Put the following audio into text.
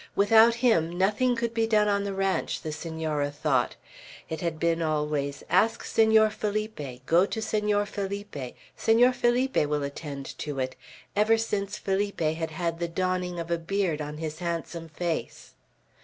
Without him, nothing could be done on the ranch, the Senora thought. It had been always, "Ask Senor Felipe," "Go to Senor Felipe," "Senor Felipe will attend to it," ever since Felipe had had the dawning of a beard on his handsome face.